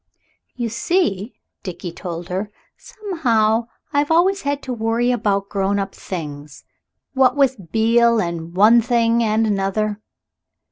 "You see," Dickie told her, "somehow I've always had to worry about grown up things. What with Beale, and one thing and another."